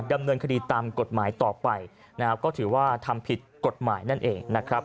ดำเนินคดีตามกฎหมายต่อไปนะครับก็ถือว่าทำผิดกฎหมายนั่นเองนะครับ